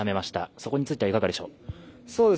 そこについてはいかがでしょう。